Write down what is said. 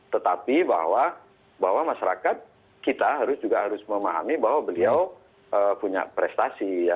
tetapi bahwa masyarakat kita juga harus memahami bahwa beliau punya prestasi ya